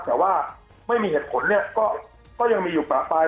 แต่ว่าไม่มีเหตุผลเนี่ยก็ยังมีอยู่ป่าปลาย